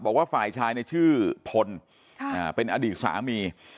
บอกว่าฝ่ายชายในชื่อพลเป็นอดีตสามี